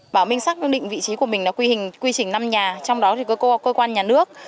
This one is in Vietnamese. bảo minh xác định vị trí của mình là quy trình năm nhà trong đó thì có cơ quan nhà nước